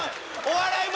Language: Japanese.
お笑い眉